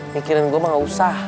mikirin gue mah gak usah